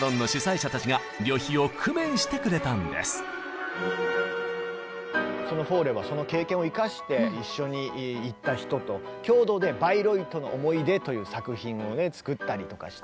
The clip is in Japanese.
そこでそのフォーレはその経験を生かして一緒に行った人と共同で「バイロイトの思い出」という作品をね作ったりとかして。